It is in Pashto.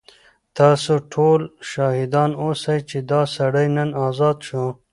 تاسو ټول شاهدان اوسئ چې دا سړی نن ازاد شو.